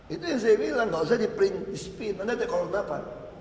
itu yang saya bilang gak usah di print di spin anda di call apa